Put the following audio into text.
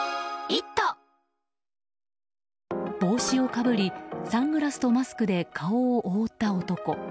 帽子をかぶりサングラスとマスクで顔を覆った男。